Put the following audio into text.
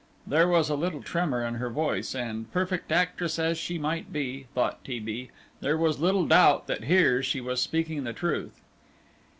There was a little tremor in her voice, and, perfect actress as she might be, thought T. B., there was little doubt that here she was speaking the truth.